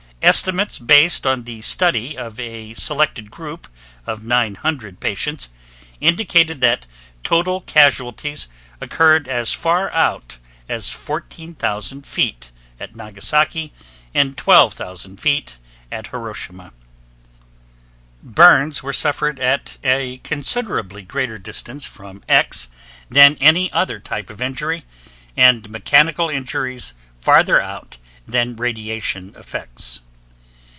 Estimates based on the study of a selected group of 900 patients indicated that total casualties occurred as far out as 14,000 feet at Nagasaki and 12,000 feet at Hiroshima. Burns were suffered at a considerable greater distance from X than any other type of injury, and mechanical injuries farther out than radiation effects.